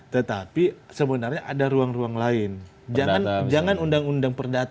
tetapi sebenarnya ada ruang ruang lain